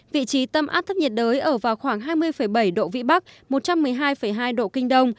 vị trí tâm áp thấp nhiệt đới ở vào khoảng hai mươi bảy độ vĩ bắc một trăm một mươi hai hai độ kinh đông